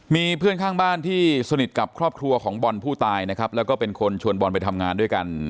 มีเพื่อนข้างบ้านที่สนิทกับครอบครัวของบอลผู้ตายนะครับแล้วก็เป็นคนชวนบอลไปทำงานด้วยกัน